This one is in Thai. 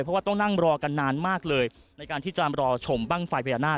เพราะว่าต้องนั่งรอกันนานมากเลยในการที่จะรอชมบ้างไฟพญานาค